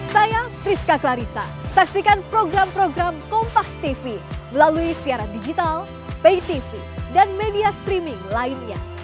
saya rizka klarisa saksikan program program kompastv melalui siaran digital paytv dan media streaming lainnya